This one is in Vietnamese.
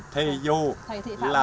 thì dù là